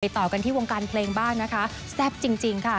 ต่อกันที่วงการเพลงบ้างนะคะแซ่บจริงค่ะ